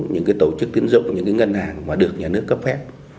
những cái tổ chức tiến dụng những cái ngân hàng mà được nhà nước cấp phép